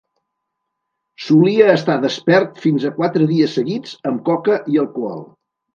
Solia estar despert fins a quatre dies seguits amb coca i alcohol.